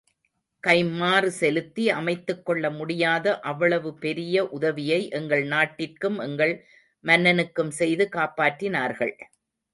கைம்மாறு செலுத்தி அமைத்துக் கொள்ள முடியாத அவ்வளவு பெரிய உதவியை எங்கள் நாட்டிற்கும் எங்கள் மன்னனுக்கும் செய்து காப்பாற்றினர்கள்.